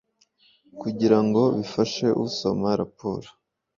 kugira ngo bigfashe usoma raporo